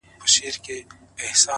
زما خبري خدايه بيرته راکه ;